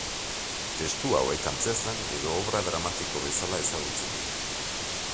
Testu hauek antzezlan edo obra dramatiko bezala ezagutzen dira.